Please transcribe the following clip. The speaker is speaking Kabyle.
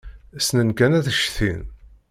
Ssnen kan ad ccetkin.